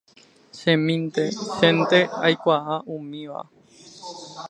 chemínte, chénte aikuaa umíva